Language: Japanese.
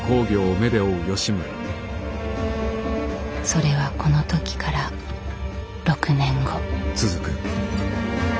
それはこの時から６年後。